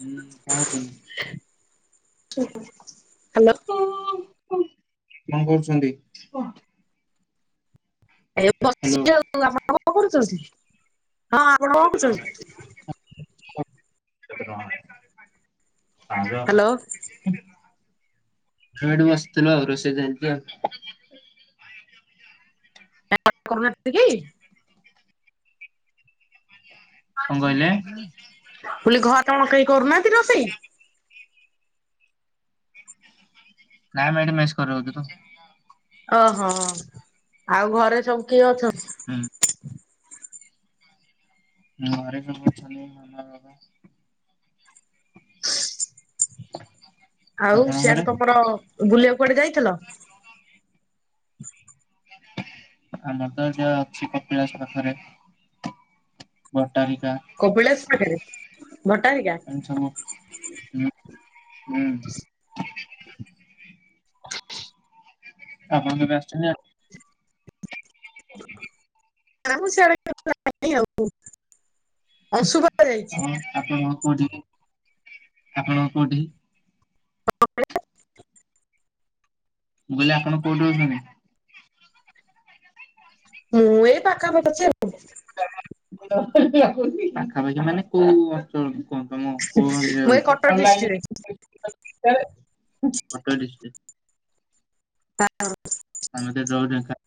[unintelligible] Hello କଣ କରୁଛନ୍ତି। ଏ ବସ ହ୍ୟାଲୋ ଛି ଆଉ ଆପଣ କଣ କରୁଛନ୍ତି। ହଁ ଆପଣ କଣ କରୁଛନ୍ତି। [inaudible] ହ୍ୟାଲୋ ସାଡୁ ଆସିଥିଲ ଆଉ ରୋଷେଇ ସରିକି ଆଉ [unintelligible] କଣ କହିଲେ ଘର କେହି କରୁନାହାନ୍ତି ରୋଷେଇ। ନାଇଁ ଏଠି ମେଶ କରି ରହୁଚୁ ତ ଓହୋ ଆଉ ଘରେ ସବୁ କିଏ ଅଛନ୍ତି। ହୁଁ। ଘରେ ସବୁ ଅଛନ୍ତି ମାମା ଵାଵା। ଆଉ ଆପଣଙ୍କ ଘରେ? ସିଆଡେ ତମର ବୁଲିବା କୁଆଡେ ଯାଇଥିଲ। ଆମର ତ ଏଠି ଅଛି କପିଳାସ ପାଖରେ। ଟାରିକା କପିଳାସ ପାଖରେ ଭଟ୍ଟାରିକା? ଆଣ୍ଡ ସବୁ ହୁଁ ହୁଁ। ଆପଣ କେବେ ଆସିଛନ୍ତି [inaudible] ନା ମୁଁ ସିଆଡେ କେ ଯାଇନି ଆଉ ଅଶୁଭ ଯାଇଛି। ଆଉ ଆପଣ କୋଉଠି ଆପଣଙ୍କ କୋଉଠି ମୁଁ କହିଲି ଆପଣ କୋଉଠି ରହୁଚନ୍ତିି? ମୁଁ ଏଇ ପାଖାପାଖି ଅଛି ଆଉ। ପାଖାପାଖି ମାନେ କୋଉ ଅଞ୍ଚଳ ହଁ ତମ କୋଉ ଗାଁରେ ମୁଁ ଏଇ ଯାଉଚି? କଟକ ଡିଷ୍ଟ୍ରିକ୍ଟରେ ପକା ଡିଷ୍ଟି [inaudible] ଆମେ ତ ଯୋଉ ଢେଙ୍କା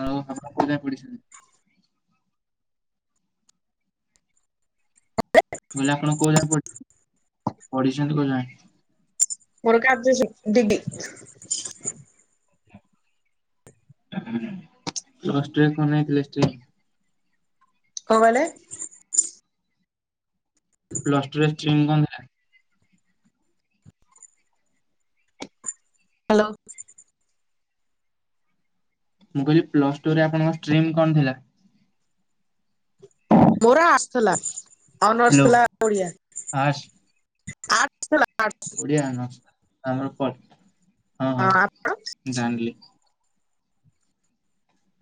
ନା ଆଉ ଆପଣ କୋଉ ଯାଏଁ ପଢିଛନ୍ତି? ମୁଁ କହିଲେ ଆପଣ କୋଉ ଯାଏଁ ପଢି ପଢୁଛନ୍ତି କୋଉ ଯାଏଁ? ମୋର କା ଆବ୍ରେଜେ ଡିଡି। ତମ ଷ୍ଟ୍ରିମ୍ କଁ ନେଇଥିଲେ ଷ୍ଟ୍ରିମ୍? କଣ କହିଲେ? ପ୍ଲସ ଟୁରେ ଷ୍ଟ୍ରିମ୍ କଣ ଥିଲା? ହାଲୋ? ମୁଁ କହିଲି ପ୍ଲସ୍ ଟୁରେ ଆପଣଙ୍କ ଷ୍ଟ୍ରିମ କଣ ଥିଲା? ମୋର ଆସଥିଲା ଅନର୍ସ ହ୍ୟାଲୋ ଥିଲା ଓଡିଆ। ଆ [unintelligible] ଓଡିଆ ଅନର୍ସ୍ ଆମର ପ ହଁ ଆପଣ?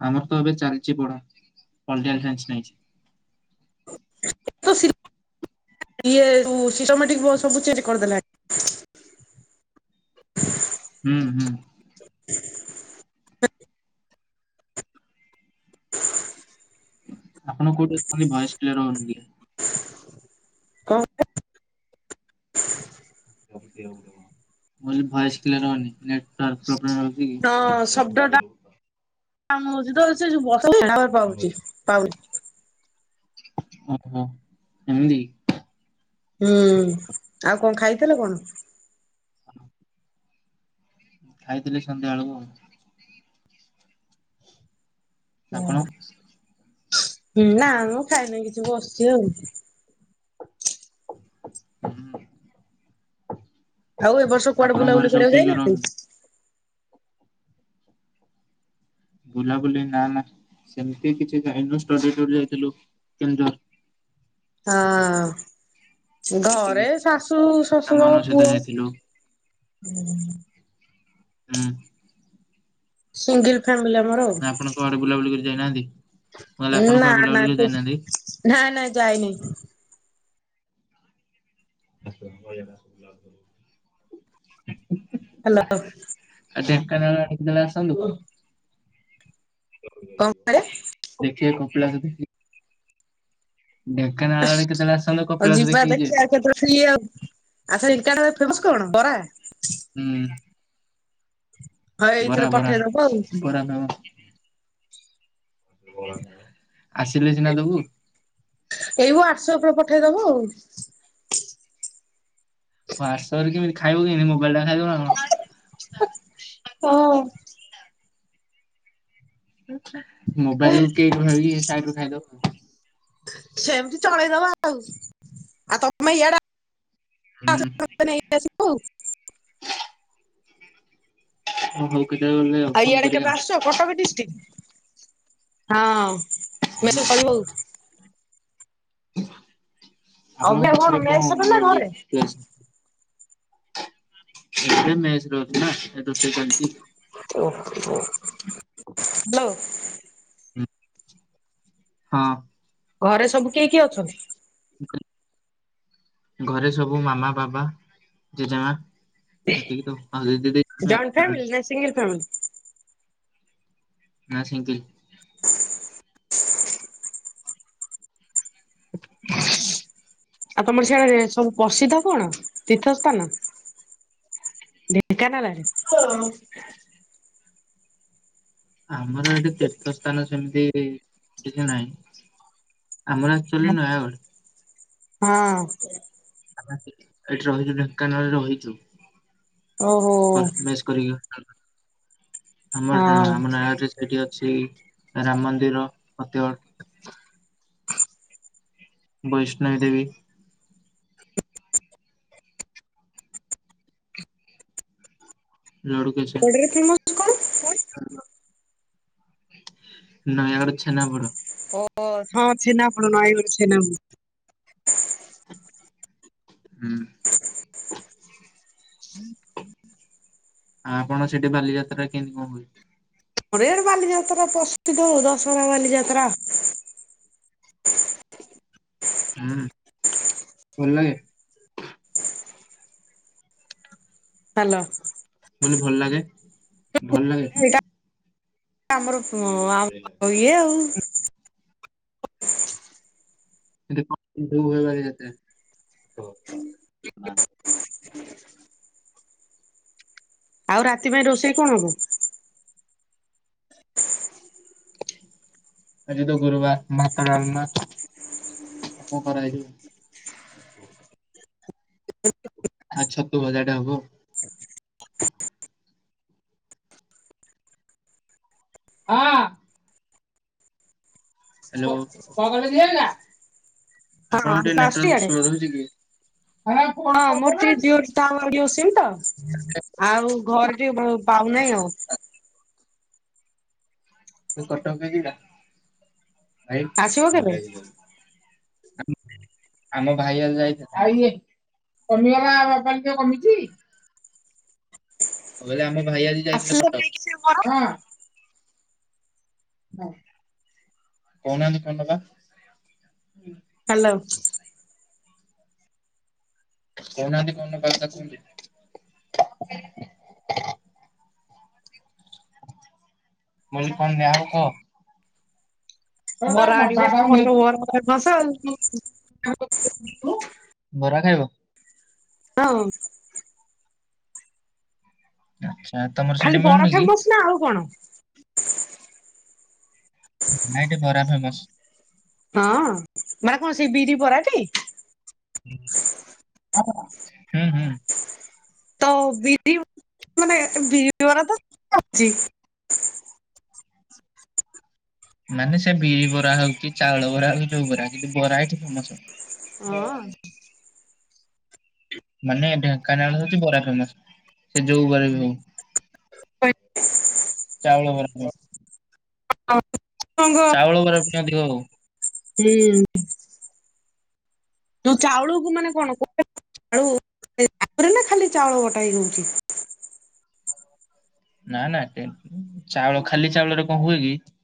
ଆମର ତ ଏବେ ଚାଲଚି ପଢା ପଲଟିକାଲ ସାଇନସ୍ ନେଇଚି। ଶ ସି ଇଏ ଯୋଉ ସିଷ୍ଟମେଟିକ ବ ସବୁ ଚେଞ୍ଜ କରିଦେଲା। [inaudible] ହୁଁ ହୁଁ। [inaudible] ଆପଣ କୋଉଠି ଅଛନ୍ତି ଭୟେସ୍ କ୍ଲିୟର୍ ହୋଉନି ଟିକେ। କଁ [inaudible] ମୁଁ କହିଲି ଭଏସ୍ କ୍ଲିଅର ହୋଉନି ନେଟୱାର୍କ ପ୍ରୋ ହଁ ଶବ୍ଦଟା କାମ ହୋଉଚି ତ ସେ ଯୋଉ ବ ଟାୱାର୍ ପାଉଚି ପାଉ ଓହୋ ଏମତିକି। ହୁଁ ଆଉ କଣ ଖାଇଥିଲ କଣ? ଅନ ଖାଇଥିଲି ସନ୍ଧ୍ୟାବେଳକୁ ଆଉ। ଆପଣ? ହୁଁ ନା ମୁଁ ଖାଇନେଇ କିଛି ବସଚି ଆଉ। ହୁଁ। ଆଉ ଏ ବର୍ଷ କୁଆଡେ ଆପଣଙ୍କ ଘରେ ବୁଲାବୁଲି ସବୁ କରିବାକୁ କିଏ କିଏ ଯାଇନା ରହନ୍ତି? କି? ବୁଲାବୁଲି ନା ନା ସେମତି କିଛି ଯାଇନୁ ଷ୍ଟଡିଟୁର୍ ଯାଇଥିଲୁ କେଉଁଝର। ହଁ। ଘରେ ସେତିକି। ଶାଶୁ, ଶଶୁର, ସାଙ୍ଗମାନଙ୍କ ସହିତ ପୁଅ। ଯାଇଥିଲୁ ଉଁ। ସିଙ୍ଗିଲ୍ ଫ୍ୟାମି ନା ଆପଣ କୁଆଡେ ବୁଲାବୁଲି କରି ଯାଇନାହାନ୍ତି? ମୁଁ କହିଲି ଉ ଆପଣ ନା କୁଆଡେ ନା ବୁଲାବୁଲି କରି ବିସ୍ ଯାଇନାହାନ୍ତି ନା ନାଇ ଯାଇନି। [unintelligible] ହାଲୋ। [unintelligible] ଆସନ୍ତୁ। କଣ କହିଲେ? ଦେଖିବେ କପିଳାସ ଦେଖି ଢେଙ୍କାନାଳ ଆଡେ କେତେବେଳେ ଆସନ୍ତୁ ଆଉ କପିଳାସ ଯିବା ଦେଖିକି ଯିବେ ଦେଖିବା କେତେ ବେଳେ ଫ୍ରୀ ଆଉ [unintelligible] ତମସ କଣ ବରା ହଁ ଏଇଥିରେ ବରାବରା ପଠେଇଦବ ଆଉ ବରା ଦବ। ଆସିଲେ ସିନା ଦବୁ। ଏଇ ମୋ ୱାଟଶୋପ ରେ ପଠେଇଦବୁ ଆଉ। ୱେଟସପରେ କେମିତି ଖାଇବୁ କେନ୍ତୀ ମୋବାଇଲ ଟା ଖାଇବ ନା ଙ୍କ ହଁ। ମୋବାଇଲ କେକ୍ ଭାବି ଏ ସାଇଟ ରୁ ଖାଇଦବ। ସେମିତି ଚଳେଇଦବା ଆଉ ଆଉ ତମେ ଇଆଡା ହୁଁ [unintelligible] ନେଇକି ଆସିବୁ ହଁ ଭଲ ଆଉ ଇଆଡେ କେବେ ଆଶୁଚ କଟକ ଡିଷ୍ଟିକି ହଁ ଆଉ। ମେସୁ ସରିବୁ। ଆପଣଙ୍କ ଅବିକା କଣ ପାଖରେ ଙ୍କ ମେସ୍ ରେ ନା ବୁଲାବୁଲି ଘରେ? ରେସ୍ ଏବେ ମେସରେ ଅଛି ନା ଏ ରୋଷେଇ ଚାଲଚି। ହାଲୋ। ହୁଁ। ହଁ। ଘରେ ସବୁ କିଏ କିଏ ଅଛନ୍ତି? ଘରେ ସବୁ ମାମା ବାବା ଜେଜେମା ଏତିକି ତ। ଆଉ ଦିଦିଦି ଜଏଣ୍ଟ [unintelligible] ଫ୍ୟାମିଲି ନା ସିଙ୍ଗଲ ଫ୍ୟାମିଲି? ନା ସେନ୍ତୀ। ଆଉ ତମର ସେଇଆରେ ସବୁ ପ୍ରସିଦ୍ଧ କଣ ତୀର୍ଥ ସ୍ଥାନ ଢେକାନାଳେ ଆମର ଏଠି ତୀର୍ଥ ସ୍ଥାନ ସେମିତି କିଛି ନାହିଁ। ଆମର ଅକ୍ଚୁଲିରେ ନୟାଗଡ଼। ହଁ। ଆମେ ଏଠି ରହିଲେ ଢେଙ୍କାନାଳରେ ରହିଚି ଓହୋ [unintelligible] କରିକି। ଆମର ଗାଁ ହଁ। ଆମ ନାଆରେ ସେ ସେଇ ରାମ ମନ୍ଦିର ମଧ୍ୟ ବୈଷ୍ଣବ ଦେବୀ। ଲଡୁ କେଚିଆ ନୟାଗଡ଼ରେ ଫେମସ କଣ? ନାଇଁ ଇଆଡେ ଛେନା ପୋଡ଼ ଓହୋ ହଁ ଛେନା ପୋଡ଼ ନୟାଗଡ଼ ଛେନା ପୋଡ଼ ହୁଁ। ହୁଁ ହୁଁ। ଆ ଆପଣ ସେଠି ବାଲିଯାତ୍ରା କେମତି କଣ ହୁଏ? ଆମର ଇଆଡେ ବାଲିଯାତ୍ରା ପ୍ରସିଦ୍ଧ ହଉ ଦଶହରା ବାଲିଯାତ୍ରା। ହୁଁ ଭଲ ଲାଗେ। ହାଲୋ। ବୋଲି ଭଲ ଲାଗେ ଭଲ ଲାଗେ। ଏଇଟା ଆମର ଅ ଆଉ ଇଏ ଆଉ। [unintelligible] ବାଲିଯାତ୍ରା ଓ ଅ। ହୁଁ। ଆଉ ରାତି ପାଇଁ ରୋଷେଇ କଣ ହବ? ଆଜି ତ ଗୁରୁବାର ଭାତ ଡ଼ାଲମା ଆଉ କଣ ହେଇଚି ଆ ଛତୁଭଜା ଟେ ହବ। ହଁ। ହ୍ୟାଲୋ ଆପଣଙ୍କର ହଁ ଆଉ ଟିକେ ତୁ ଆସୁଛୁ ନେଟୱର୍କ ଇଆଡେ ସ୍ଲୋ ରହୁଚି କି? ହଁ ମୋର ଟିକେ ଜିଓ ଟାୱାର ଜିଓ ସିମ୍ ତ ଆଉ ଘରେ ଟିକେ [unintelligible] ନାଇଁ ଆଉ [unintelligible] [inaudible] ଆସିବ କେବେ? ଆମ ଭାଇଆଲ ଯାଇଥିଲା [unintelligible] ମୁଁ କହିଲି ଆମ ଭାଇ ଆଜି ଯାଇଥିଲେ ଆସିଲେ କଟକ। ନେଇକି ସେ ବରା କହୁନାହାନ୍ତି କଣ ଦବା। ହ୍ୟାଲୋ। କଉନାହାନ୍ତି କଣ ନବା କଥା କୁହନ୍ତୁ। ଭଉଣୀ କଣ ନିଆ ହବ କହ? ବରା ଆଣିବ ମୋରତ [unintelligible] ବରା ଖାଇବ? ହଁ। [inaudible] ଖାଲି ସେଇଠି ବରା ମିଳୁନି କି? ଫେମସ ନା ଆଉ କଣ? ନାଇଁ ନାଇଁ ବରା ଫେମସ୍। ହଁ ମାନେ କଣ ସେ ବିରି ବରାଟି। ହଁ ହୁଁ ହୁଁ। ତ ବିରି ମାନେ ବିରିିବରା ତ ଅଛି। ମାନେ ସେ ବିରି ବରା ହଉଛି ଚାଉଳ ବରା ହଉ ଯୋଉ ବରା କିନ୍ତୁ ବରା ହେଠି ଫେମସ ହଁ। ମାନେ ଢେଙ୍କାନାଳ ହୋଉଛି ବରା ଫେମସ ସେ ଯଉବରା ବି ହଉ। ଚାଉଳ ବରା। [unintelligible] ଚାଉଳ ବରା ପାଇଁ ଅଧିକ [inaudible] ହଉ ହୁଁ। ଯୋଉ ଚାଉଳକୁ ମାନେ କଣ କଣ ଗୋଟେ ଆଳୁ ତାପରେ ନା ଖାଲି ଚାଉଳ ବଟା ହେଇକି ହଉଛି? ନା ନା ଟେ ଚାଉଳ ଖାଲି ଚାଉଳରେ କଣ ହୁଏ କି?